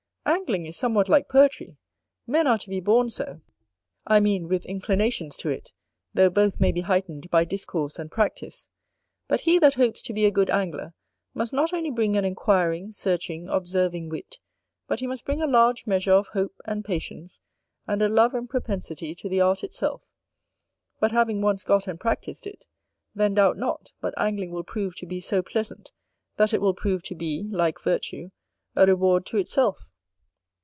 angling is somewhat like poetry, men are to be born so: I mean, with inclinations to it, though both may be heightened by discourse and practice: but he that hopes to be a good angler, must not only bring an inquiring, searching, observing wit, but he must bring a large measure of hope and patience, and a love and propensity to the art itself; but having once got and practiced it, then doubt not but angling will prove to be so pleasant, that it will prove to be, like virtue, a reward to itself.